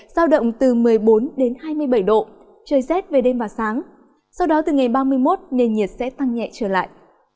giao động từ một mươi bốn đến hai mươi bảy độ trời rét về đêm và sáng sau đó từ ngày ba mươi một nền nhiệt sẽ tăng nhẹ trở lại